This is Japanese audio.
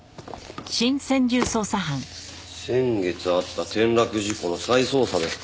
先月あった転落事故の再捜査ですか。